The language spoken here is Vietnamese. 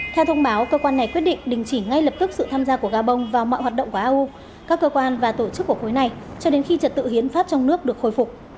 theo thông báo cơ quan này quyết định đình chỉ ngay lập tức sự tham gia của gabon vào mọi hoạt động của au các cơ quan và tổ chức của khối này cho đến khi trật tự hiến pháp trong nước được khôi phục